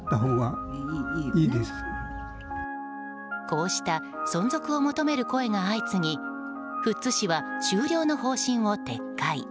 こうした存続を求める声が相次ぎ富津市は終了の方針を撤回。